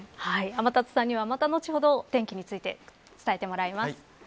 天達さんには、また後ほど天気について伝えてもらいます。